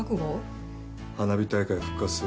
花火大会復活するから。